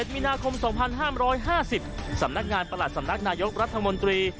มีนาคม๒๕๕๐สำนักงานประหลัดสำนักนายกรัฐมนตรี